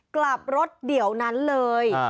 กลับรถเดี๋ยวนั้นเลย